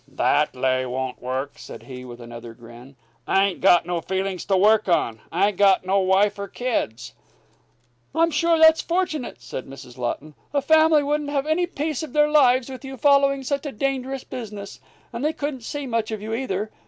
"That lay won't work," said he, with another grin. "I ain't got no feelings to work on. I ain't got no wife or kids." "I'm sure that's fortunate," said Mrs. Laughton. "A family wouldn't have any peace of their lives with you following such a dangerous business. And they couldn't see much of you either.